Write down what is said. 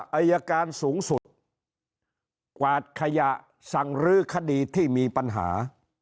อายการสูงสุดกวาดขยะสั่งรื้อคดีที่มีปัญหา